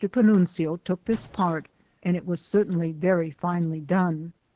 Panunzio took this part and it was cer tainly very finely done.